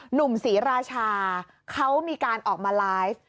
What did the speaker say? หนุ่มศรีราชาเขามีการออกมาไลฟ์